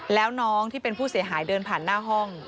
แล้วน้องที่เป็นผู้เสียหายเดินผ่านหน้าห้อง